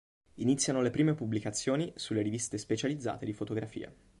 Iniziano le prime pubblicazioni sulle riviste specializzate di Fotografia.